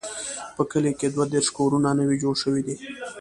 په کلي کې دوه دیرش کورونه نوي جوړ شوي دي.